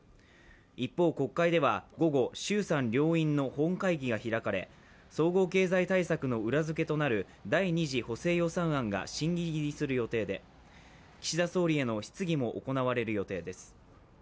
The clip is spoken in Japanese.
一方、国会では午後、衆・参両院の本会議が開かれ総合経済対策の裏付けとなる第２次補正予算案が審議入りする予定で、岸田総理への質疑も行われる予定です。